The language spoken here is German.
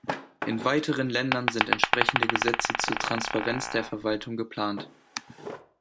In weiteren Ländern sind entsprechende Gesetze zur Transparenz der Verwaltung geplant.